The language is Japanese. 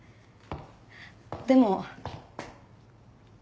でも。